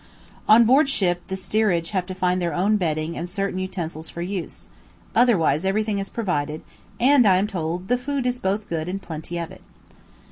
On board ship the steerage have to find their own bedding and certain utensils for use; otherwise everything else is provided, and, I am told, the food is both good and plenty of it.